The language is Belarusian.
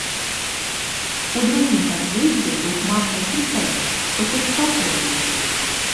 У другім пад'ездзе духман такі стаіць, што хоць тапор вешай.